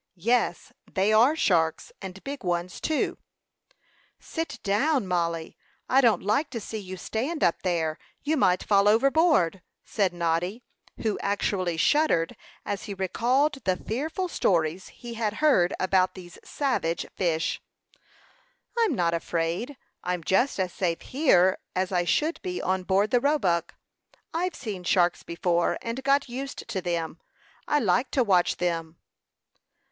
"Yes, they are sharks, and big ones, too." "Sit down, Mollie. I don't like to see you stand up there. You might fall overboard," said Noddy, who actually shuddered as he recalled the fearful stories he had heard about these savage fish. "I'm not afraid. I'm just as safe here as I should be on board the Roebuck. I've seen sharks before, and got used to them. I like to watch them."